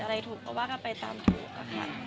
ถูกก็ว่ากันไปตามถูกอะค่ะ